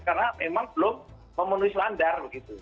karena memang belum memenuhi selandar begitu